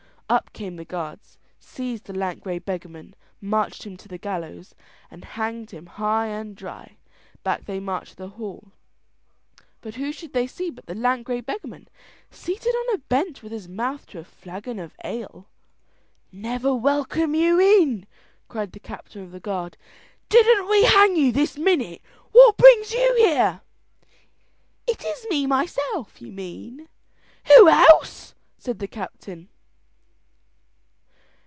Up came the guards, seized the lank grey beggarman, marched him to the gallows and hanged him high and dry. Back they marched to the hall, and who should they see but the lank grey beggarman seated on a bench with his mouth to a flagon of ale. "Never welcome you in," cried the captain of the guard, "didn't we hang you this minute, and what brings you here?" "Is it me myself, you mean?" "Who else?" said the captain.